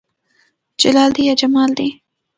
جلال دى يا جمال دى